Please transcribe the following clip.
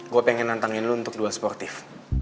gue pengen nantangin lo untuk dua sportif